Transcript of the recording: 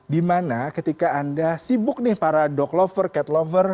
dimana ketika anda sibuk nih para doglover cat lover